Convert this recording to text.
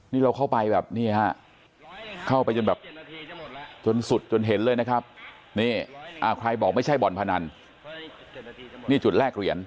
นี่เราเข้าไปแบบนี่ฮะเข้าไปจนแบบจนสุดจนเห็นเลยนะครับนี่ใครบอกไม่ใช่บ่อนพนันนี่จุดแรกเหรียญ